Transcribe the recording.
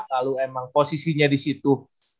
lalu emang posisinya disitu